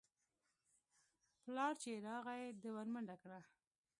پلار چې يې راغى ده ورمنډه کړه.